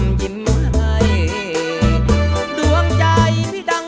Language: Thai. สักอย่างแต่ส่วนที่เราก็อย่างพี่ตาฝั่ง